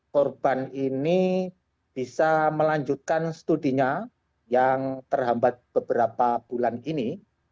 korban ini bisa melanjutkan studinya yang terhambat beberapa bulan ini